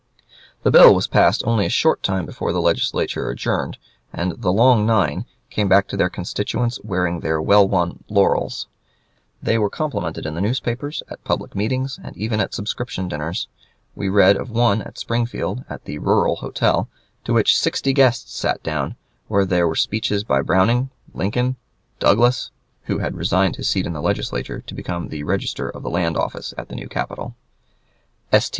The bill was passed only a short time before the Legislature adjourned, and the "Long Nine" came back to their constituents wearing their well won laurels. They were complimented in the newspapers, at public meetings, and even at subscription dinners. We read of one at Springfield, at the "Rural Hotel," to which sixty guests sat down, where there were speeches by Browning, Lincoln, Douglas (who had resigned his seat in the Legislature to become Register of the Land Office at the new capital), S. T.